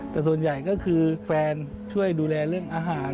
แต่ส่วนใหญ่ก็คือแฟนช่วยดูแลเรื่องอาหาร